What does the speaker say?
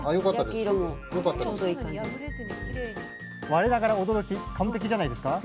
我ながら驚き完璧じゃないですか？